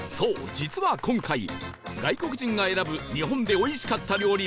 実は今回外国人が選ぶ日本でおいしかった料理